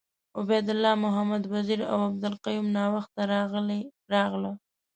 عبید الله محمد وزیر اوعبدالقیوم ناوخته راغله .